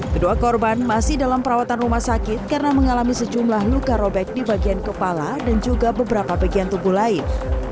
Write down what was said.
kedua korban masih dalam perawatan rumah sakit karena mengalami sejumlah luka robek di bagian kepala dan juga beberapa bagian tubuh lain